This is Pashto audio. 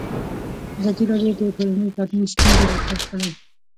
ازادي راډیو د ټولنیز بدلون ستونزې راپور کړي.